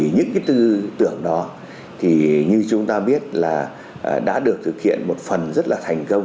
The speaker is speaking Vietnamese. những tư tưởng đó như chúng ta biết là đã được thực hiện một phần rất là thành tựu